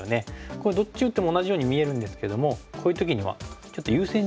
これどっち打っても同じように見えるんですけどもこういう時にはちょっと優先順位がありまして。